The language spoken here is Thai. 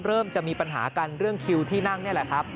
เริ่มจะมีปัญหากันเรื่องคิวที่นั่งนี่แหละครับ